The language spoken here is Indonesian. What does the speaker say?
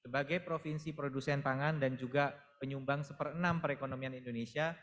sebagai provinsi produsen pangan dan juga penyumbang seperenam perekonomian indonesia